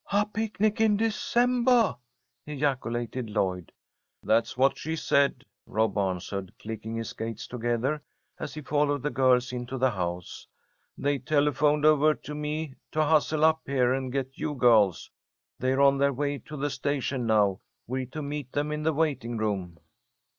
"A picnic in Decembah!" ejaculated Lloyd. "That's what she said," Rob answered, clicking his skates together as he followed the girls into the house. "They telephoned over to me to hustle up here and get you girls. They're on their way to the station now. We're to meet them in the waiting room."